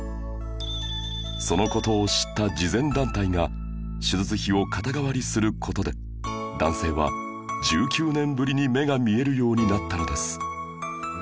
その事を知った慈善団体が手術費を肩代わりする事で男性は１９年ぶりに目が見えるようになったのです